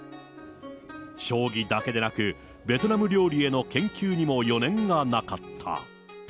将棋だけでなく、ベトナム料理への研究も余念がなかった。